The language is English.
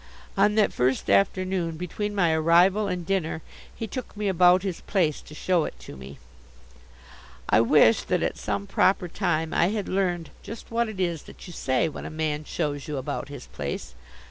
On that first afternoon, between my arrival and dinner, he took me about his place, to show it to me. I wish that at some proper time I had learned just what it is that you say when a man shows you about his place.